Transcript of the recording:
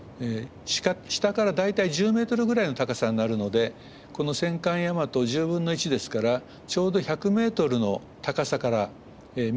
下から大体１０ｍぐらいの高さになるのでこの戦艦大和１０分の１ですからちょうど１００ｍの高さから見たような感じで見えるわけですね。